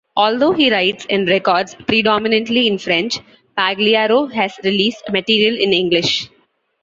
Although he writes and records predominantly in French, Pagliaro has released material in English.